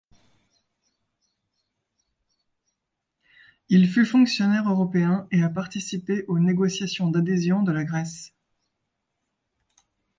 Il fut fonctionnaire européen et a participé aux négociations d'adhésion de la Grèce.